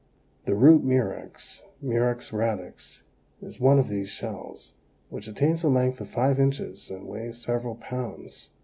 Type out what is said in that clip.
The Root Murex (Murex radix) is one of these shells, which attains a length of five inches and weighs several pounds.